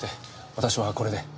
私はこれで。